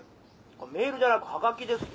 「メールじゃなくハガキですよ」